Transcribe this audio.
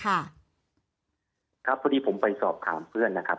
ครับครับพอดีผมไปสอบถามเพื่อนนะครับ